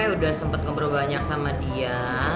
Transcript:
udah sempet ngobrol banyak sama dia